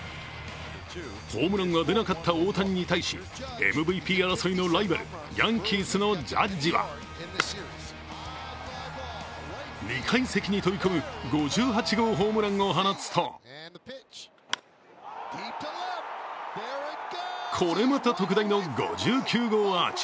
ホームランは出なかった大谷に対し、ＭＶＰ争いのライバルヤンキースのジャッジは２階席に飛び込む５８号ホームランを放つとこれまた特大の５９号アーチ。